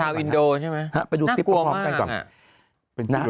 ชาวอินโดใช่ไหมน่ากลัวมาก